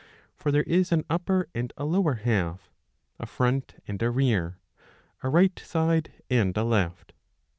For there is an upper and a lower half, a front and a rear, a right side and a left.